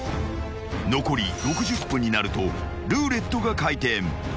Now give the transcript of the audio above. ［残り６０分になるとルーレットが回転］